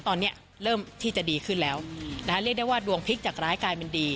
ตอนนี้เริ่มที่จะดีขึ้นแล้วนะคะเรียกได้ว่าดวงพลิกจากร้ายกลายเป็นดี